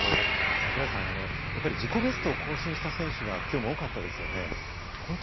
櫻井さん、やっぱり自己ベストを更新した選手がきょうも多かったですよね。